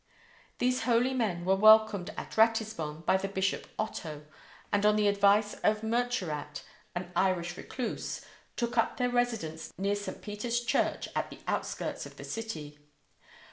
These holy men were welcomed at Ratisbon by the Bishop Otto; and on the advice of Murcherat, an Irish recluse, took up their residence near St. Peter's church at the outskirts of the city.